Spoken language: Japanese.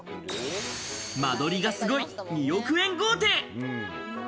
間取りが、すごい、２億円豪邸。